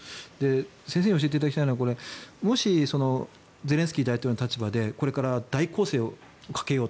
先生に教えていただきたいのはもしゼレンスキー大統領の立場でこれから大攻勢をかけようと。